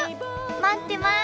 待ってます！